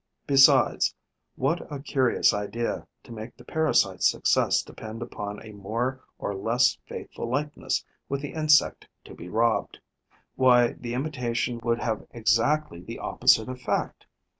Besides, what a curious idea, to make the parasite's success depend upon a more or less faithful likeness with the insect to be robbed! Why, the imitation would have exactly the opposite effect!